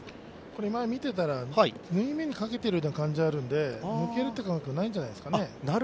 これ、見てたら縫い目にかけている感じがあるので抜けるということはないんじゃないですかね。